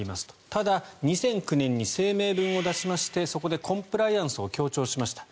ただ、２００９年に声明文を出しましてそこでコンプライアンスを強調しました。